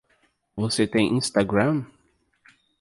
Você tem Instagram?